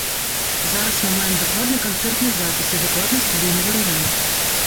Зараз мы маем дакладны канцэртны запіс і дакладны студыйны варыянт.